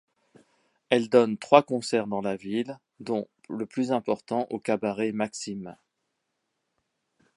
Elle donne trois concerts dans la ville, dont le plus important au Cabaret Maxime.